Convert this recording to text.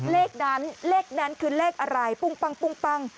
เลขนั้นเลขนั้นคือเลขอะไรปุ้งปั้ง